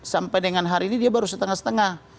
sampai dengan hari ini dia baru setengah setengah